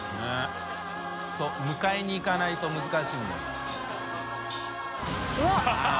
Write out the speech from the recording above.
修迎えに行かないと難しいんだよ。